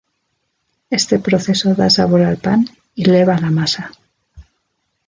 Este proceso da sabor al pan y leva la masa.